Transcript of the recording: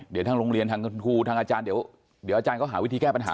เดี๋ยวทางโรงเรียนทางคุณครูทางอาจารย์เดี๋ยวอาจารย์เขาหาวิธีแก้ปัญหา